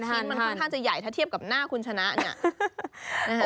ชิ้นมันค่อนข้างจะใหญ่ถ้าเทียบกับหน้าคุณชนะเนี่ยนะฮะ